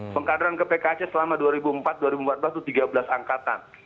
pengkaderan ke pkc selama dua ribu empat dua ribu empat belas itu tiga belas angkatan